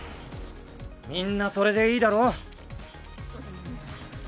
みんなそれでいいだろ？